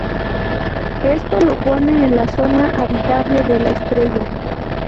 Esto lo pone en la zona habitable de la estrella.